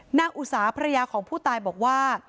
อุตสาภรรยาของผู้ตายบอกว่า